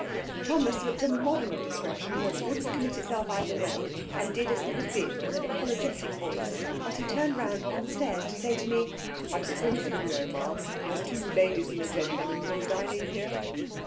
Thomas looked a model of discretion that wouldn't commit itself either way, and did as he was bid in an apologetic voice; but he turned round on the stairs to say to me, 'I suppose you know, msam, there's two ladies and a gentleman been dining here?'